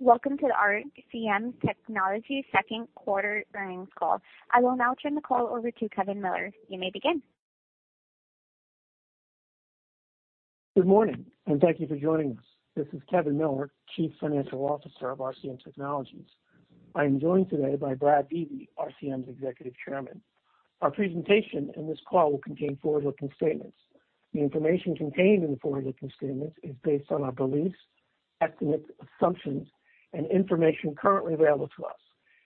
Welcome to the RCM Technologies second quarter earnings call. I will now turn the call over to Kevin Miller. You may begin. Good morning, and thank you for joining us. This is Kevin Miller, Chief Financial Officer of RCM Technologies. I am joined today by Brad Vizi, RCM's Executive Chairman. Our presentation in this call will contain forward-looking statements. The information contained in the forward-looking statements is based on our beliefs, estimates, assumptions, and information currently available to us,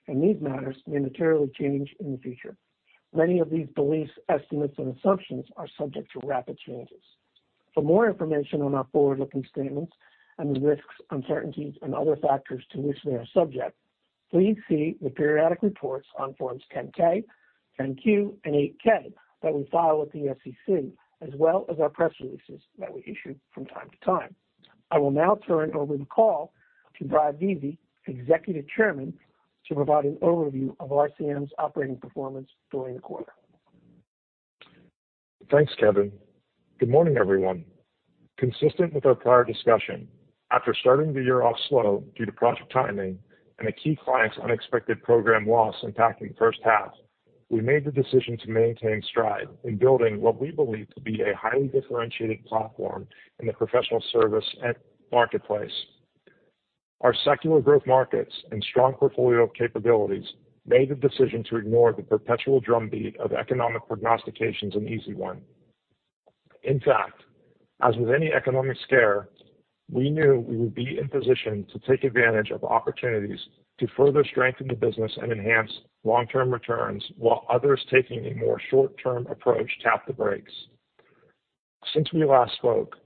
and these matters may materially change in the future. Many of these beliefs, estimates, and assumptions are subject to rapid changes. For more information on our forward-looking statements and the risks, uncertainties and other factors to which they are subject, please see the periodic reports on forms Form 10-K, Form 10-Q, and Form 8-K that we file with the SEC, as well as our press releases that we issue from time to time. I will now turn over the call to Brad Vizi, Executive Chairman, to provide an overview of RCM's operating performance during the quarter. Thanks, Kevin. Good morning, everyone. Consistent with our prior discussion, after starting the year off slow due to project timing and a key client's unexpected program loss impacting the first half, we made the decision to maintain stride in building what we believe to be a highly differentiated platform in the professional service and marketplace. Our secular growth markets and strong portfolio of capabilities made the decision to ignore the perpetual drumbeat of economic prognostications an easy one. In fact, as with any economic scare, we knew we would be in position to take advantage of opportunities to further strengthen the business and enhance long-term returns, while others, taking a more short-term approach, tap the brakes. Since we last spoke,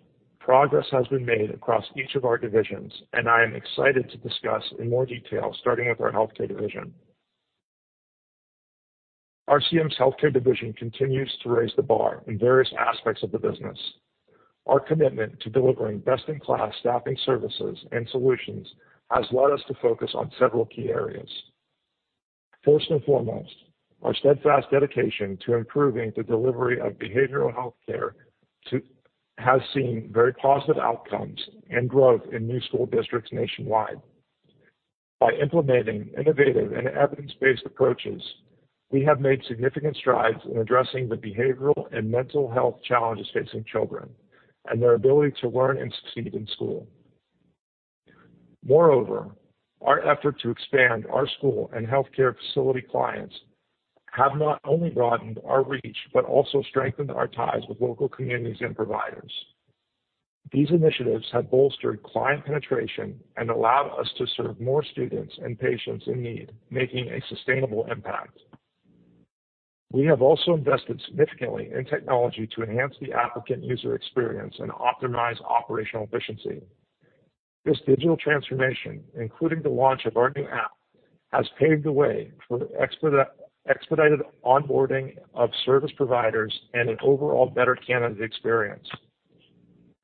progress has been made across each of our divisions, and I am excited to discuss in more detail, starting with our healthcare division. RCM's healthcare division continues to raise the bar in various aspects of the business. Our commitment to delivering best-in-class staffing services and solutions has led us to focus on several key areas. First and foremost, our steadfast dedication to improving the delivery of behavioral health care has seen very positive outcomes and growth in new school districts nationwide. By implementing innovative and evidence-based approaches, we have made significant strides in addressing the behavioral and mental health challenges facing children and their ability to learn and succeed in school. Moreover, our effort to expand our school and healthcare facility clients have not only broadened our reach, but also strengthened our ties with local communities and providers. These initiatives have bolstered client penetration and allowed us to serve more students and patients in need, making a sustainable impact. We have also invested significantly in technology to enhance the applicant user experience and optimize operational efficiency. This digital transformation, including the launch of our new app, has paved the way for expedited onboarding of service providers and an overall better candidate experience.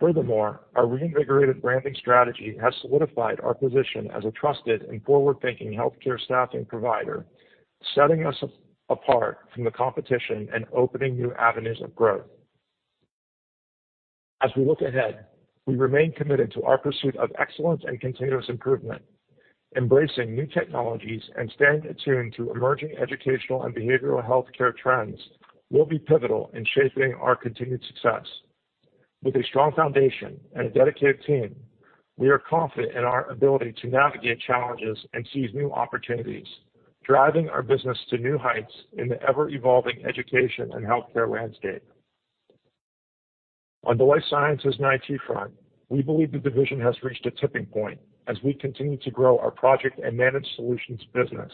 Furthermore, our reinvigorated branding strategy has solidified our position as a trusted and forward-thinking healthcare staffing provider, setting us apart from the competition and opening new avenues of growth. As we look ahead, we remain committed to our pursuit of excellence and continuous improvement. Embracing new technologies and staying attuned to emerging educational and behavioral healthcare trends will be pivotal in shaping our continued success. With a strong foundation and a dedicated team, we are confident in our ability to navigate challenges and seize new opportunities, driving our business to new heights in the ever-evolving education and healthcare landscape. On the life sciences and IT front, we believe the division has reached a tipping point as we continue to grow our project and managed solutions business.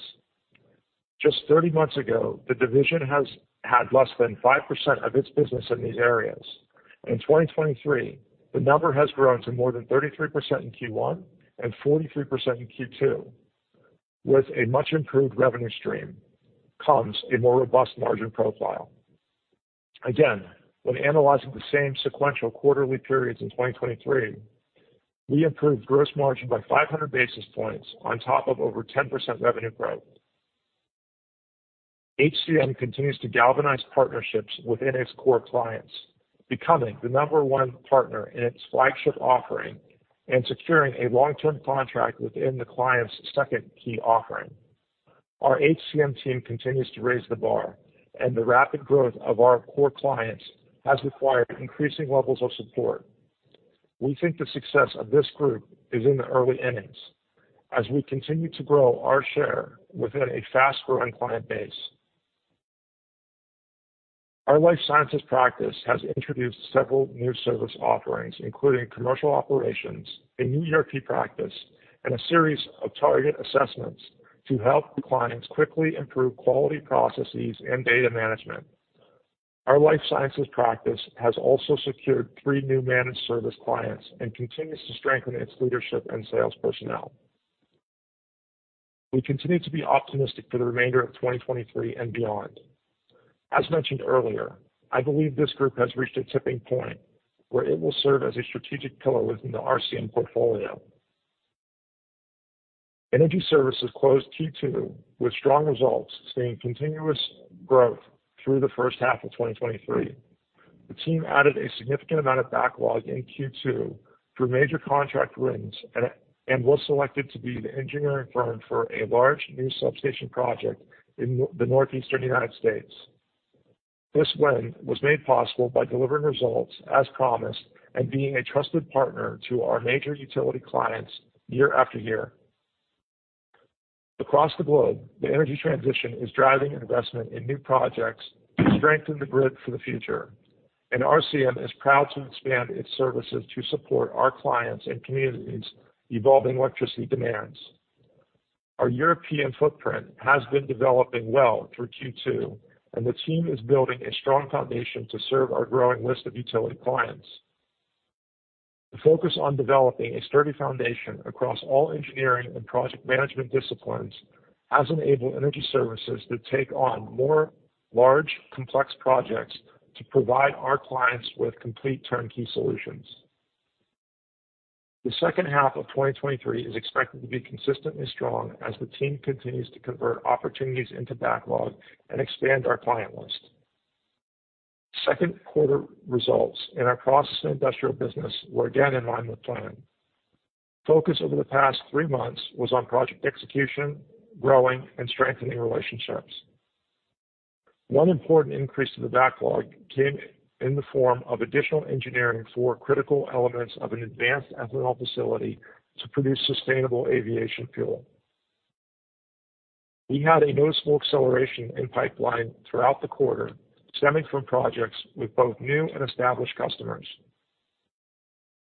Just 30 months ago, the division has had less than 5% of its business in these areas. In 2023, the number has grown to more than 33% in Q1 and 43% in Q2. With a much improved revenue stream comes a more robust margin profile. Again, when analyzing the same sequential quarterly periods in 2023, we improved gross margin by 500 basis points on top of over 10% revenue growth. HCM continues to galvanize partnerships within its core clients, becoming the number one partner in its flagship offering and securing a long-term contract within the client's second key offering. Our HCM team continues to raise the bar, and the rapid growth of our core clients has required increasing levels of support. We think the success of this group is in the early innings as we continue to grow our share within a fast-growing client base. Our life sciences practice has introduced several new service offerings, including commercial operations, a new ERP practice, and a series of target assessments to help clients quickly improve quality processes and data management. Our life sciences practice has also secured three new managed service clients and continues to strengthen its leadership and sales personnel. We continue to be optimistic for the remainder of 2023 and beyond. As mentioned earlier, I believe this group has reached a tipping point where it will serve as a strategic pillar within the RCM portfolio.... Energy Services closed Q2 with strong results, seeing continuous growth through the first half of 2023. The team added a significant amount of backlog in Q2 through major contract wins and was selected to be the engineering firm for a large new substation project in the Northeastern United States. This win was made possible by delivering results as promised and being a trusted partner to our major utility clients year-after-year. Across the globe, the energy transition is driving investment in new projects to strengthen the grid for the future, RCM is proud to expand its services to support our clients' and communities' evolving electricity demands. Our European footprint has been developing well through Q2, and the team is building a strong foundation to serve our growing list of utility clients. The focus on developing a sturdy foundation across all engineering and project management disciplines has enabled energy services to take on more large, complex projects to provide our clients with complete turnkey solutions. The second half of 2023 is expected to be consistently strong as the team continues to convert opportunities into backlog and expand our client list. Second quarter results in our process and industrial business were again in line with plan. Focus over the past three months was on project execution, growing, and strengthening relationships. One important increase to the backlog came in the form of additional engineering for critical elements of an advanced ethanol facility to produce Sustainable Aviation Fuel. We had a noticeable acceleration in pipeline throughout the quarter, stemming from projects with both new and established customers.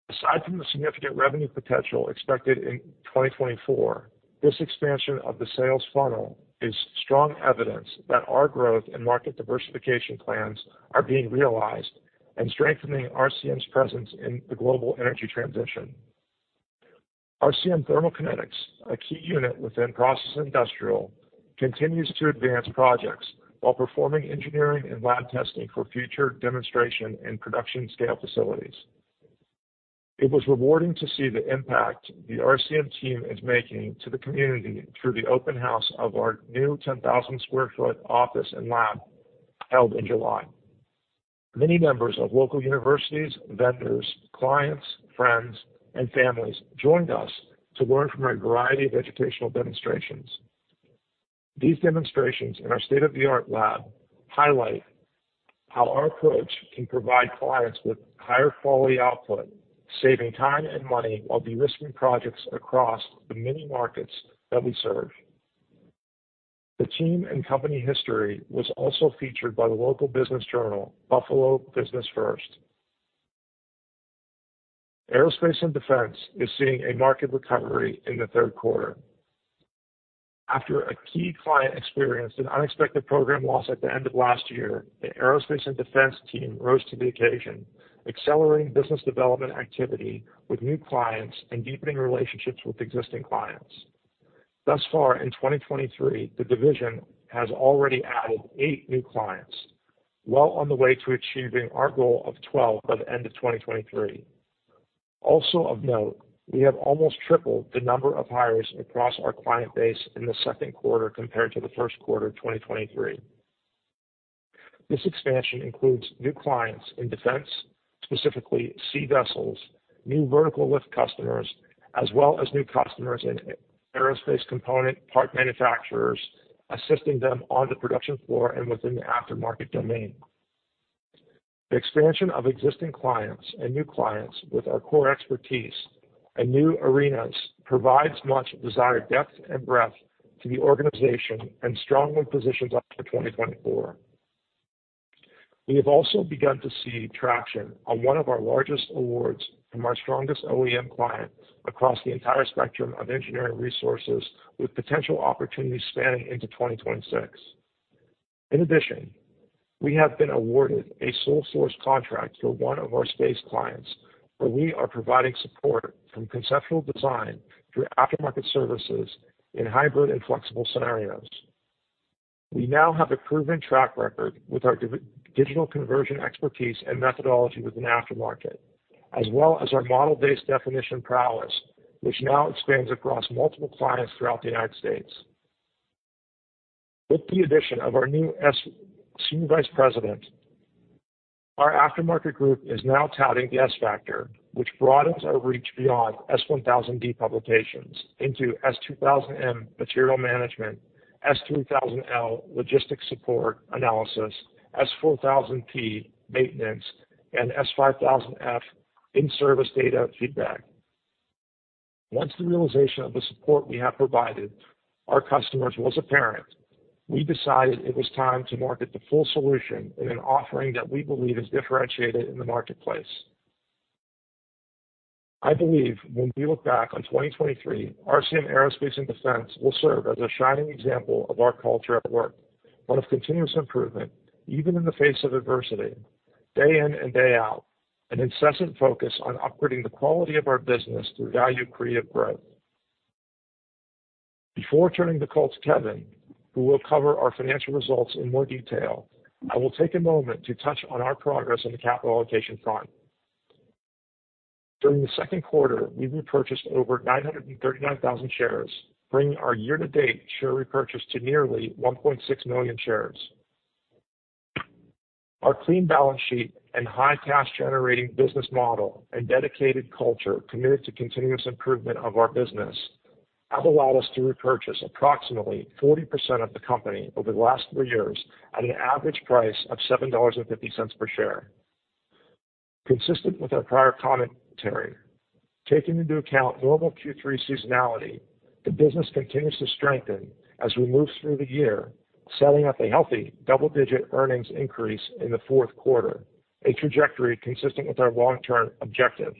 Aside from the significant revenue potential expected in 2024, this expansion of the sales funnel is strong evidence that our growth and market diversification plans are being realized and strengthening RCM's presence in the global energy transition. RCM Thermal Kinetics, a key unit within process and industrial, continues to advance projects while performing engineering and lab testing for future demonstration and production scale facilities. It was rewarding to see the impact the RCM team is making to the community through the open house of our new 10,000 square feet office and lab held in July. Many members of local universities, vendors, clients, friends, and families joined us to learn from a variety of educational demonstrations. These demonstrations in our state-of-the-art lab highlight how our approach can provide clients with higher quality output, saving time and money while de-risking projects across the many markets that we serve. The team and company history was also featured by the local business journal, Buffalo Business First. Aerospace and Defense is seeing a market recovery in the third quarter. After a key client experienced an unexpected program loss at the end of last year, the Aerospace and Defense team rose to the occasion, accelerating business development activity with new clients and deepening relationships with existing clients. Thus far in 2023, the division has already added eight new clients, well on the way to achieving our goal of 12 by the end of 2023. Also of note, we have almost tripled the number of hires across our client base in the second quarter compared to the first quarter of 2023. This expansion includes new clients in defense, specifically sea vessels, new vertical lift customers, as well as new customers in aerospace component part manufacturers, assisting them on the production floor and within the aftermarket domain. The expansion of existing clients and new clients with our core expertise and new arenas provides much desired depth and breadth to the organization and strongly positions us for 2024. We have also begun to see traction on one of our largest awards from our strongest OEM clients across the entire spectrum of engineering resources, with potential opportunities spanning into 2026. In addition, we have been awarded a sole source contract for one of our space clients, where we are providing support from conceptual design through aftermarket services in hybrid and flexible scenarios. We now have a proven track record with our digital conversion expertise and methodology within the aftermarket, as well as our Model-Based Definition prowess, which now expands across multiple clients throughout the United States. With the addition of our new senior vice president, our aftermarket group is now touting the S-Factor, which broadens our reach beyond S1000D publications into S2000M material management, S3000L logistics support analysis, S4000P maintenance, and S5000F in-service data feedback. Once the realization of the support we have provided our customers was apparent, we decided it was time to market the full solution in an offering that we believe is differentiated in the marketplace. I believe when we look back on 2023, RCM Aerospace & Defense will serve as a shining example of our culture at work, one of continuous improvement, even in the face of adversity, day in and day out, an incessant focus on upgrading the quality of our business through value-creative growth. Before turning the call to Kevin, who will cover our financial results in more detail, I will take a moment to touch on our progress on the capital allocation front. During the second quarter, we repurchased over 939,000 shares, bringing our year-to-date share repurchase to nearly 1.6 million shares. Our clean balance sheet and high cash generating business model, and dedicated culture committed to continuous improvement of our business, have allowed us to repurchase approximately 40% of the company over the last three years at an average price of $7.50 per share. Consistent with our prior commentary, taking into account normal Q3 seasonality, the business continues to strengthen as we move through the year, setting up a healthy double-digit earnings increase in the fourth quarter, a trajectory consistent with our long-term objectives.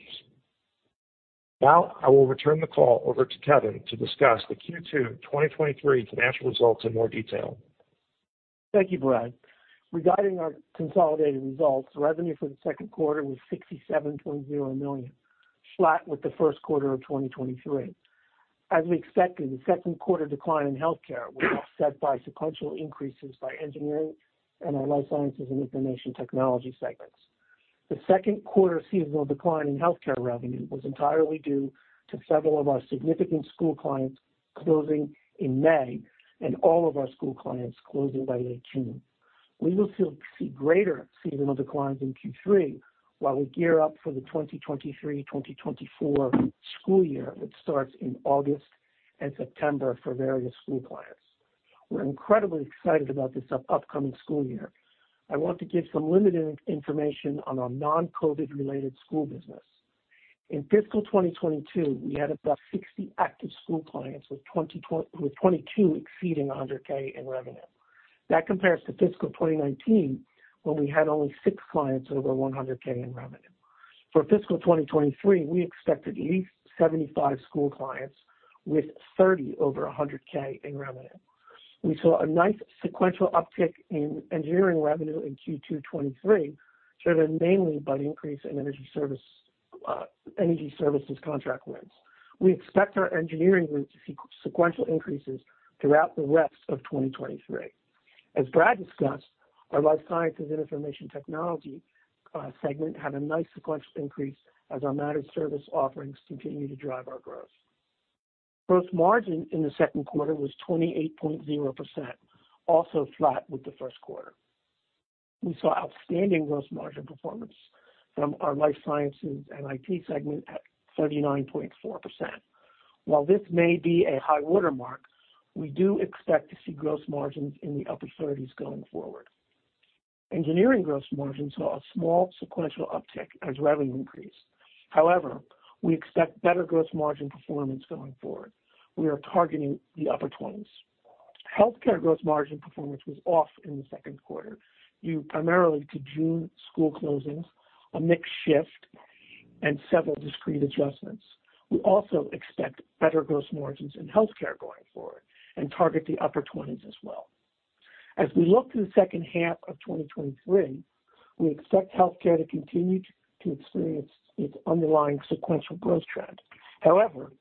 Now, I will return the call over to Kevin to discuss the Q2 2023 financial results in more detail. Thank you, Brad. Regarding our consolidated results, revenue for the second quarter was $67.0 million, flat with the first quarter of 2023. As we expected, the second quarter decline in healthcare was offset by sequential increases by engineering and our life sciences and information technology segments. The second quarter seasonal decline in healthcare revenue was entirely due to several of our significant school clients closing in May, and all of our school clients closing by June. We will still see greater seasonal declines in Q3 while we gear up for the 2023/2024 school year, which starts in August and September for various school clients. We're incredibly excited about this upcoming school year. I want to give some limited information on our non-COVID related school business. In fiscal 2022, we had about 60 active school clients, with 22 exceeding $100K in revenue. That compares to fiscal 2019, when we had only 6 clients over $100K in revenue. For fiscal 2023, we expected at least 75 school clients with 30 over $100K in revenue. We saw a nice sequential uptick in engineering revenue in Q2 '23, driven mainly by the increase in energy service, energy services contract wins. We expect our engineering group to see sequential increases throughout the rest of 2023. As Brad discussed, our life sciences and information technology segment had a nice sequential increase as our managed service offerings continue to drive our growth. Gross margin in the second quarter was 28.0%, also flat with the first quarter. We saw outstanding gross margin performance from our life sciences and IT segment at 39.4%. While this may be a high watermark, we do expect to see gross margins in the upper 30s going forward. Engineering gross margin saw a small sequential uptick as revenue increased. However, we expect better gross margin performance going forward. We are targeting the upper 20s. Healthcare gross margin performance was off in the second quarter, due primarily to June school closings, a mixed shift, and several discrete adjustments. We also expect better gross margins in healthcare going forward and target the upper 20s as well. As we look to the 2nd half of 2023, we expect healthcare to continue to experience its underlying sequential growth trend. However,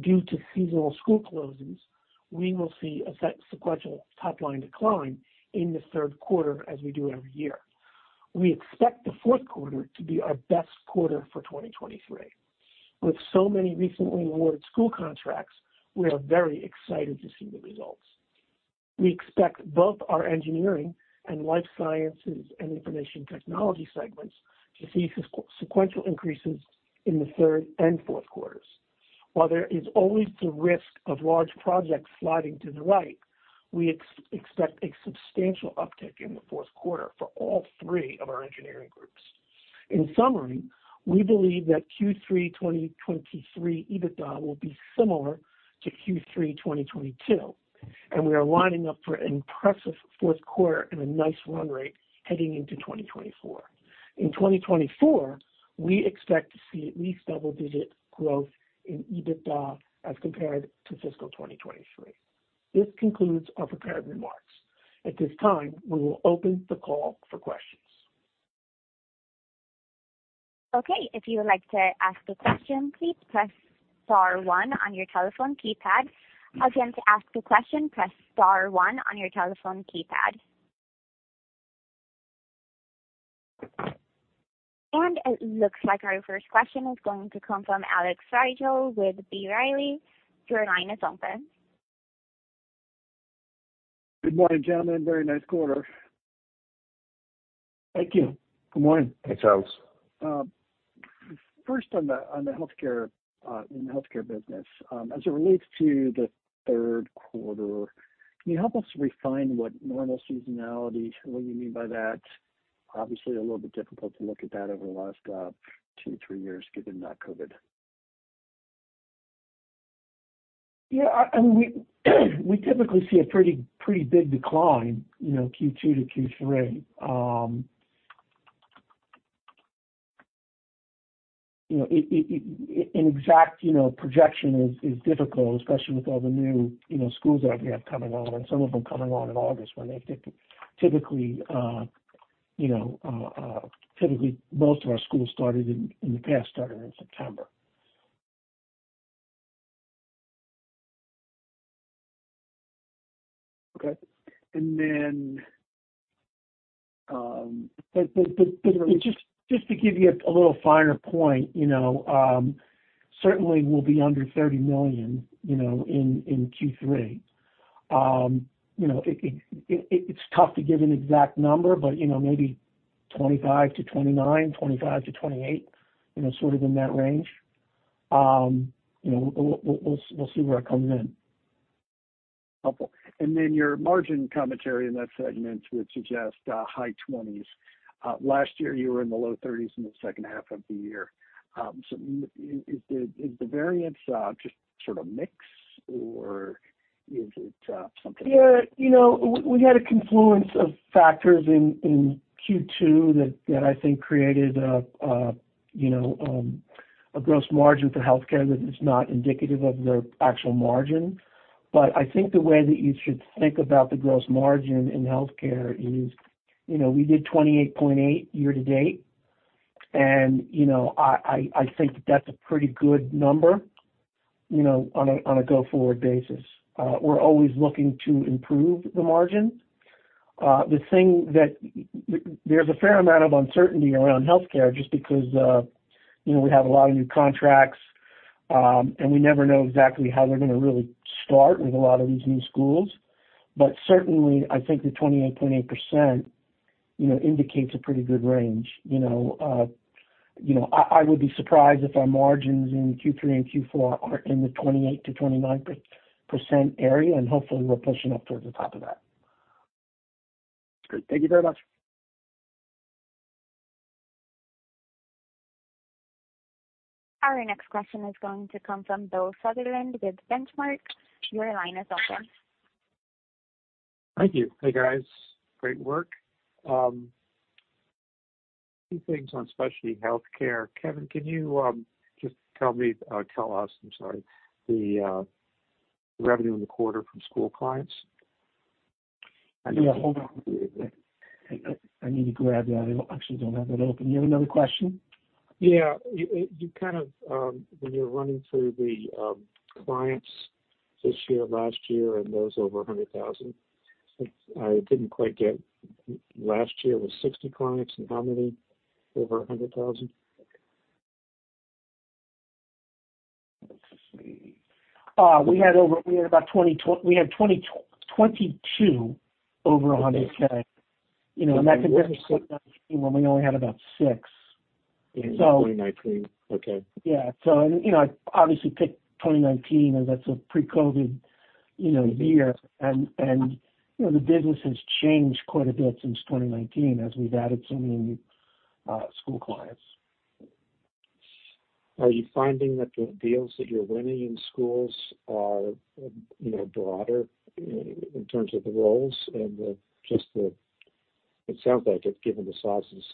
due to seasonal school closings, we will see a sequential top-line decline in the third quarter as we do every year. We expect the fourth quarter to be our best quarter for 2023. With so many recently awarded school contracts, we are very excited to see the results. We expect both our engineering and life sciences and information technology segments to see sequential increases in the third and fourth quarters. There is always the risk of large projects sliding to the right, we expect a substantial uptick in the fourth quarter for all three of our engineering groups. In summary, we believe that Q3 2023 EBITDA will be similar to Q3 2022, we are lining up for an impressive fourth quarter and a nice run rate heading into 2024. In 2024, we expect to see at least double-digit growth in EBITDA as compared to fiscal 2023. This concludes our prepared remarks. At this time, we will open the call for questions. Okay. If you would like to ask a question, please press star one on your telephone keypad. Again, to ask a question, press star one on your telephone keypad. It looks like our first question is going to come from Alex Rygiel with B. Riley. Your line is open. Good morning, gentlemen. Very nice quarter. Thank you. Good morning. Hey, Charles. First on the, on the healthcare, in the healthcare business. As it relates to the third quarter, can you help us refine what normal seasonality, what you mean by that? Obviously, a little bit difficult to look at that over the last, two, three years, given that COVID. Yeah, and we, we typically see a pretty, pretty big decline, you know, Q2 to Q3. You know, exact, you know, projection is, is difficult, especially with all the new, you know, schools that we have coming on, and some of them coming on in August when they typically, typically, most of our schools started in, in the past, started in September. Okay. But just, just to give you a little finer point, you know, certainly we'll be under $30 million, you know, in Q3. You know, it, it, it's tough to give an exact number, but, you know, maybe $25 million-$29 million, $25 million-$28 million, you know, sort of in that range. You know, we'll, we'll, we'll see where it comes in. Helpful. Your margin commentary in that segment would suggest high 20s. Last year, you were in the low 30s in the second half of the year. Is the variance just sort of mix, or is it something? Yeah, you know, we had a confluence of factors in, in Q2 that, that I think created a, a, you know, a gross margin for healthcare that is not indicative of the actual margin. I think the way that you should think about the gross margin in healthcare is, you know, we did 28.8% year to date, and, you know, I, I, I think that that's a pretty good number, you know, on a, on a go-forward basis. We're always looking to improve the margin. The thing that, there's a fair amount of uncertainty around healthcare just because, you know, we have a lot of new contracts, and we never know exactly how they're going to really start with a lot of these new schools. Certainly, I think the 28.8%, you know, indicates a pretty good range, you know? you know, I, I would be surprised if our margins in Q3 and Q4 are in the 28%-29% area, and hopefully we're pushing up towards the top of that. Great. Thank you very much. Our next question is going to come from Bill Sutherland with Benchmark. Your line is open. Thank you. Hey, guys. Great work. Two things on specialty healthcare. Kevin, can you just tell me, tell us, I'm sorry, the revenue in the quarter from school clients? Yeah, hold on. I, I need to grab that. I actually don't have that open. You have another question? Yeah. You, you kind of, when you're running through the, clients this year, last year, and those over 100,000, I, I didn't quite get last year was 60 clients, and how many over 100,000? Let's see. We had 22 over $100K. You know, that compared to 2019 when we only had about 6. In 2019, okay. Yeah. You know, I obviously picked 2019 as that's a pre-COVID, you know, year. You know, the business has changed quite a bit since 2019, as we've added so many school clients. Are you finding that the deals that you're winning in schools are, you know, broader in terms of the roles and the, just the... It sounds like it, given the sizes?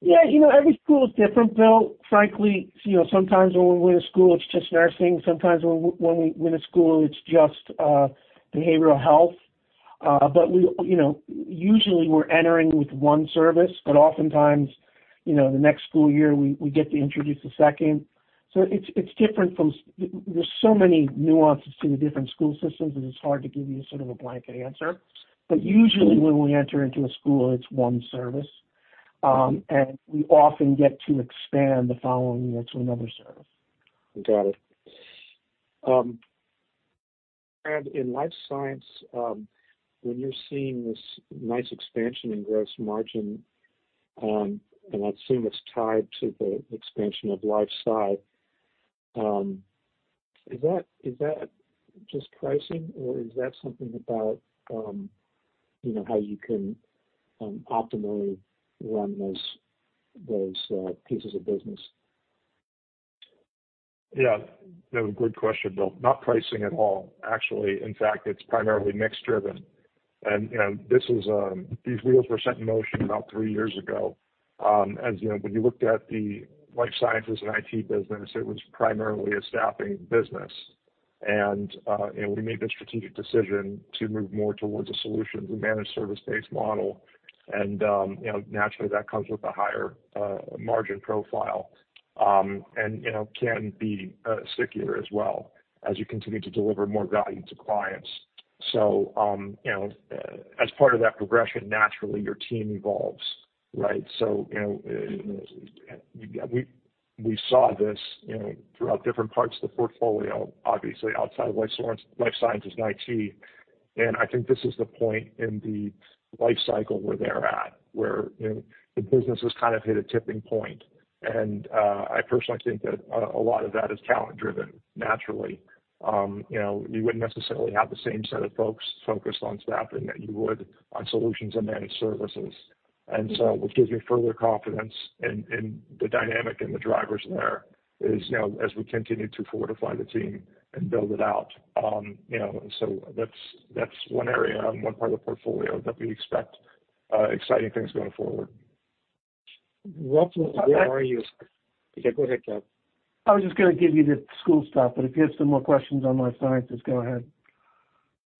Yeah, you know, every school is different, Bill. Frankly, you know, sometimes when we win a school, it's just nursing. Sometimes when, when we win a school, it's just behavioral health. We, you know, usually we're entering with one service, but oftentimes, you know, the next school year, we, we get to introduce a second. It's different. There's so many nuances to the different school systems, and it's hard to give you sort of a blanket answer. Usually, when we enter into a school, it's one service, and we often get to expand the following year to another service. Got it. In life science, when you're seeing this nice expansion in gross margin, and I assume it's tied to the expansion of life sci, is that, is that just pricing, or is that something about, you know, how you can optimally run those, those pieces of business? Yeah, that was a good question, Bill. Not pricing at all, actually. In fact, it's primarily mix driven. This was, these wheels were set in motion about three years ago. As you know, when you looked at the life sciences and IT business, it was primarily a staffing business. You know, we made the strategic decision to move more towards a solution, a managed service-based model. You know, naturally, that comes with a higher margin profile, and, you know, can be stickier as well as you continue to deliver more value to clients. You know, as part of that progression, naturally, your team evolves, right? You know, we, we saw this, you know, throughout different parts of the portfolio, obviously outside of Life Science, Life Sciences and IT, and I think this is the point in the life cycle where they're at, where, you know, the business has kind of hit a tipping point. I personally think that a lot of that is talent driven, naturally. You know, you wouldn't necessarily have the same set of folks focused on staffing that you would on solutions and managed services. What gives me further confidence in, in the dynamic and the drivers there is, you know, as we continue to fortify the team and build it out. You know, so that's, that's one area and one part of the portfolio that we expect exciting things going forward. Well, how are you? Yeah, go ahead, Kevin. I was just gonna give you the school stuff, but if you have some more questions on life science, just go ahead.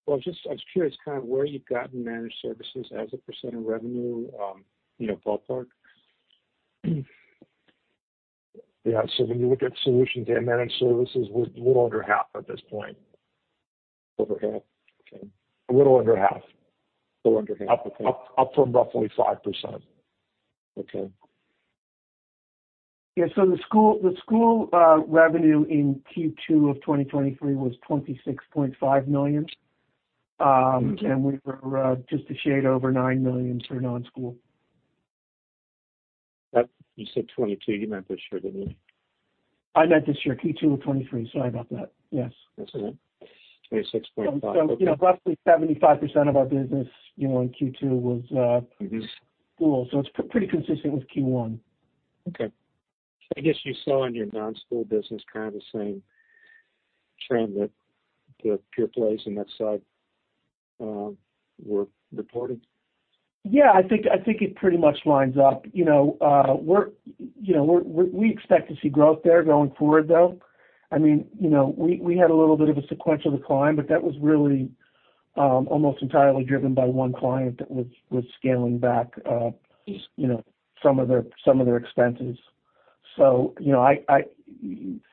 Well, just I was curious kind of where you've gotten managed services as a percent of revenue, you know, ballpark? Yeah, so when you look at solutions and managed services, we're a little under half at this point. Over half, okay. A little under half. Little under half. Up, up from roughly 5%. Okay. The school, the school revenue in Q2 of 2023 was $26.5 million. We were just a shade over $9 million for non-school. Yep. You said 22, you meant this year, didn't you? I meant this year, Q2 of 23. Sorry about that. Yes. That's all right. 26.5. you know, roughly 75% of our business, you know, in Q2 was. Mm-hmm. school, so it's pretty consistent with Q1. Okay. I guess you saw in your non-school business kind of the same trend that the pure plays on that side, were reporting? Yeah, I think, I think it pretty much lines up. You know, we're, you know, we expect to see growth there going forward, though. I mean, you know, we, we had a little bit of a sequential decline, but that was really, almost entirely driven by one client that was, was scaling back, you know, some of their, some of their expenses. You know,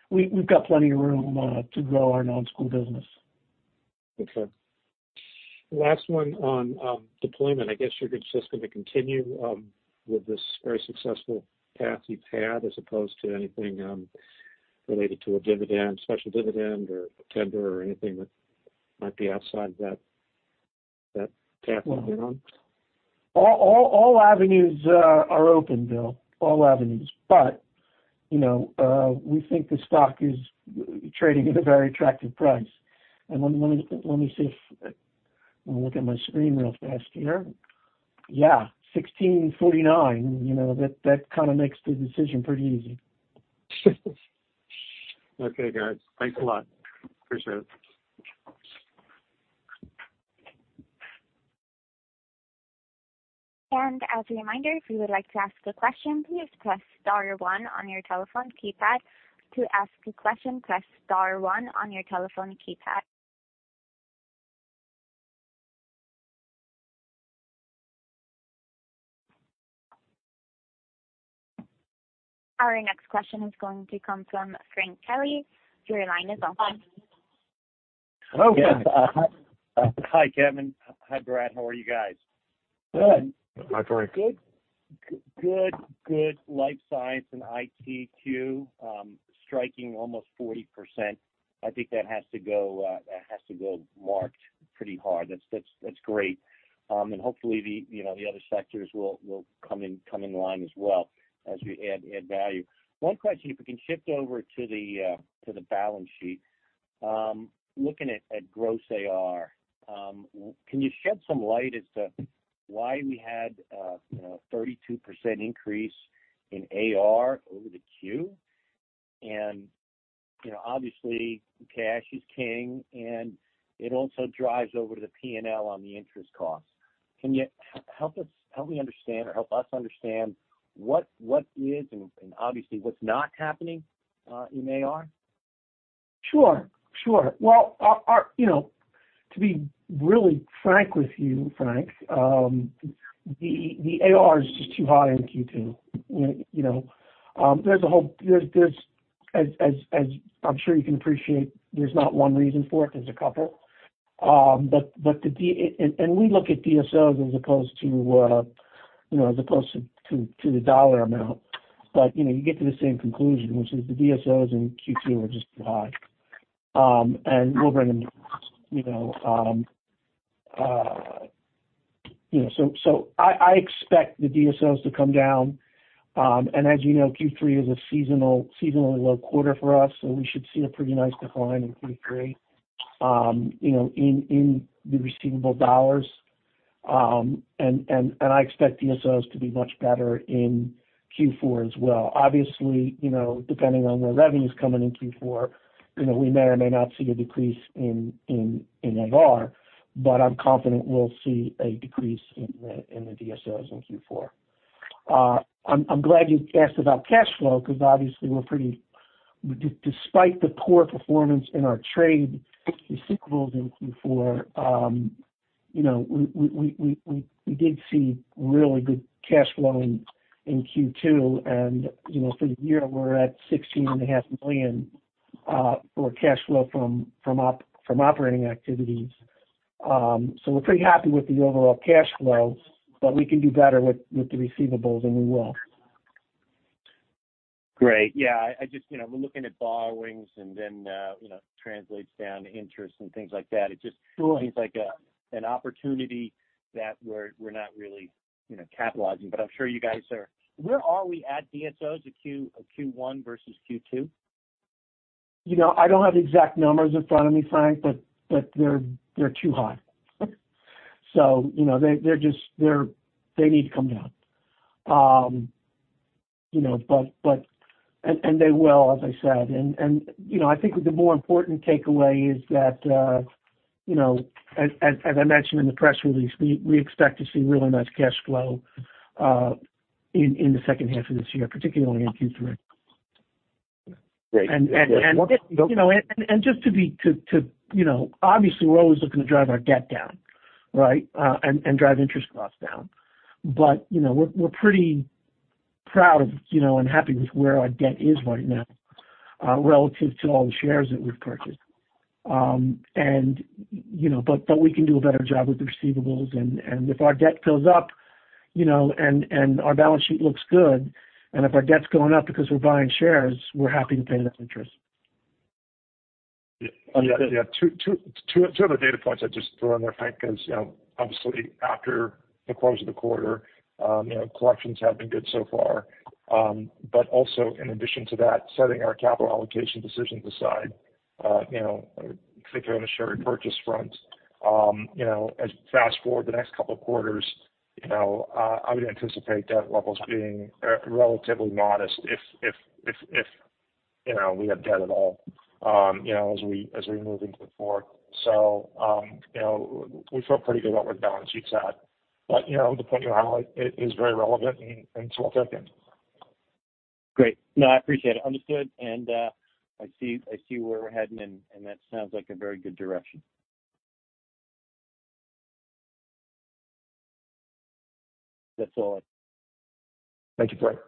we, we've got plenty of room, to grow our non-school business. Okay. Last one on deployment. I guess you're just going to continue with this very successful path you've had as opposed to anything related to a dividend, special dividend or a tender or anything that might be outside that, that path you're on? All, all, all avenues are open, Bill, all avenues. You know, we think the stock is trading at a very attractive price. Let me see if I'm gonna look at my screen real fast here. $16.49, you know, that, that kind of makes the decision pretty easy. Okay, guys. Thanks a lot. Appreciate it. As a reminder, if you would like to ask a question, please press star one on your telephone keypad. To ask a question, press star one on your telephone keypad. Our next question is going to come from Frank Kelly. Your line is open. Hello. Yes. Hi, Kevin. Hi, Brad. How are you guys? Good. Hi, Frank. Good. Good, good life science and ITQ, striking almost 40%. I think that has to go, that has to go marked pretty hard. That's, that's, that's great. Hopefully, the, you know, the other sectors will, will come in, come in line as well as we add, add value. One question, if we can shift over to the balance sheet. Looking at, at gross AR, can you shed some light as to why we had, you know, a 32% increase in AR over the Q? You know, obviously, cash is king, and it also drives over to the P&L on the interest costs. Can you help us help me understand or help us understand what, what is and, and obviously, what's not happening in AR? Sure, sure. Well, our, our, you know, to be really frank with you, Frank, the, the AR is just too high in Q2. You know, there's as, as, as I'm sure you can appreciate, there's not one reason for it, there's a couple. We look at DSO as opposed to, you know, as opposed to the dollar amount. You know, you get to the same conclusion, which is the DSO in Q2 were just too high. We'll bring them down, you know, you know, so I, I expect the DSO to come down. As you know, Q3 is a seasonal, seasonally low quarter for us, so we should see a pretty nice decline in Q3, you know, in, in the receivable dollars. I expect DSO to be much better in Q4 as well. Obviously, you know, depending on the revenues coming in Q4, you know, we may or may not see a decrease in AR, but I'm confident we'll see a decrease in the DSO in Q4. I'm glad you asked about cash flow, because obviously we're pretty. Despite the poor performance in our trade receivables in Q4, you know, we did see really good cash flow in Q2. You know, for the year, we're at $16.5 million for cash flow from operating activities. We're pretty happy with the overall cash flows, but we can do better with the receivables, and we will. Great. Yeah, I, I just, you know, we're looking at borrowings and then, you know, translates down to interest and things like that. Sure. It just seems like an opportunity that we're not really, you know, catalyzing, but I'm sure you guys are. Where are we at DSO at Q1 versus Q2? You know, I don't have the exact numbers in front of me, Frank, but they're too high. You know, they're just, they need to come down. You know, but, they will, as I said. You know, I think the more important takeaway is that, you know, as I mentioned in the press release, we expect to see really nice cash flow in the second half of this year, particularly in Q3. You know, just to be, you know, obviously we're always looking to drive our debt down, right? And drive interest costs down. You know, we're pretty proud of, you know, and happy with where our debt is right now, relative to all the shares that we've purchased. You know, but, but we can do a better job with the receivables, and, and if our debt goes up, you know, and, and our balance sheet looks good, and if our debt's going up because we're buying shares, we're happy to pay that interest. Yeah. Yeah, yeah. Two other data points I'd just throw in there, Frank, because, you know, obviously after the close of the quarter, you know, collections have been good so far. Also in addition to that, setting our capital allocation decisions aside, you know, particularly on the share repurchase front, you know, as fast forward the next couple of quarters, you know, I would anticipate debt levels being relatively modest if, you know, we have debt at all, you know, as we move into the 4th. We feel pretty good about where the balance sheet's at. The point you highlight it is very relevant and, and well taken. Great. No, I appreciate it. Understood. I see where we're heading, and that sounds like a very good direction. That's all. Thank you, Frank.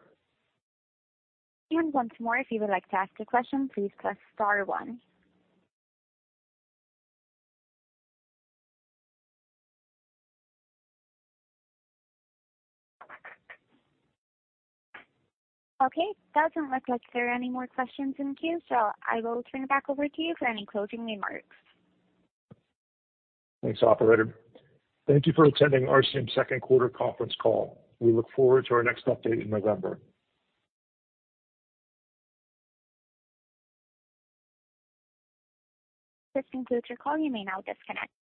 Once more, if you would like to ask a question, please press star one. Okay, doesn't look like there are any more questions in queue, so I will turn it back over to you for any closing remarks. Thanks, operator. Thank you for attending RCM's second quarter conference call. We look forward to our next update in November. This concludes your call. You may now disconnect.